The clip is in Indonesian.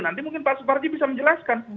nanti mungkin pak supardi bisa menjelaskan